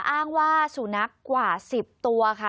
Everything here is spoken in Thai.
อ้างว่าสุนัขกว่า๑๐ตัวค่ะ